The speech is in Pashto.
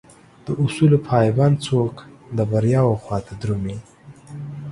داصول پابند څوک دبریاوخواته درومي